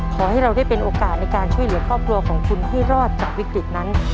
ขอให้เราได้เป็นโอกาสในการช่วยเหลือครอบครัวของคุณให้รอดจากวิกฤตนั้น